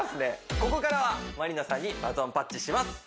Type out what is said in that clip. ここからはまりなさんにバトンタッチします